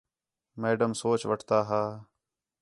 میڈم سوچ وٹھتا ہا